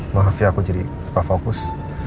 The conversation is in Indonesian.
maaf ya aku jadi suka fokus